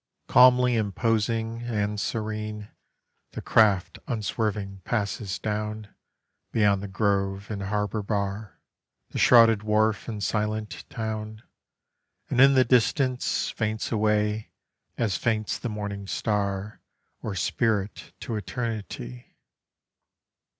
Calmly imposing and serene The craft unswerving passes down Beyond the grove and harbor bar, The shrouded wharf and silent town, And in the distance faints away As faints the morning star Or spirit to eternity.